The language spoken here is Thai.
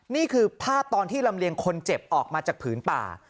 นี่คือภาพตอนที่ลำเลียงคนเจ็บออกมาจากผืนป่า